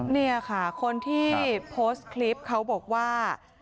นี่ค่ะคนที่โพสต์คลิปเขาบอกว่า